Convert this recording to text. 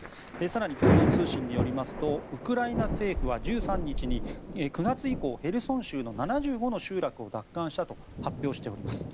更に、共同通信によりますとウクライナ政府は１３日に９月以降、ヘルソン州の７５の集落を奪還したと発表しております。